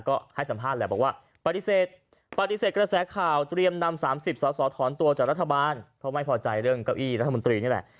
ก็ให้สัมภาษณ์แหละบอกว่าปฏิเสธปฏิเสธกระแสข่าวเตรียมนำ๓๐สอสอถอนตัวจากรัฐบาลเพราะไม่พอใจเรื่องเก้าอี้รัฐมนตรีนี่แหละ